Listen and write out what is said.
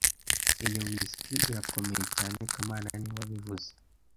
Iyo whisky irakomeye cyane kamana niwe wabivuze